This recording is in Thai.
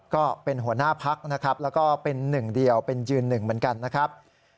ก็เป็นหัวหน้าพักนะครับแล้วก็เป็นหนึ่งเดียวเป็นยืนหนึ่งเหมือนกันนะครับ